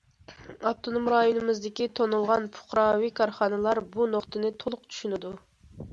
ئاپتونوم رايونىمىزدىكى تونۇلغان پۇقراۋى كارخانىلار بۇ نۇقتىنى تولۇق چۈشىنىدۇ.